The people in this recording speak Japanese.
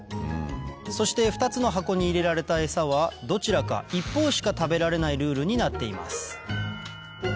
そして２つの箱に入れられたエサはどちらか一方しか食べられないルールになっています